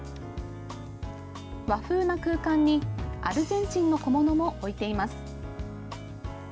和風な空間に、アルゼンチンの小物も置いています。